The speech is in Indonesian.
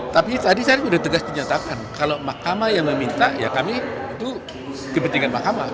tapi tadi saya sudah tegas dinyatakan kalau mahkamah yang meminta ya kami itu kepentingan mahkamah